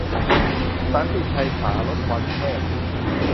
สันติชัย สารถวัลย์แพศย์